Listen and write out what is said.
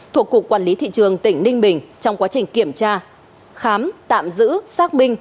thuộc cục quản lý thị trường tỉnh ninh bình trong quá trình kiểm tra khám tạm giữ xác minh